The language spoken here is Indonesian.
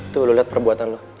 tuh lo liat perbuatan lo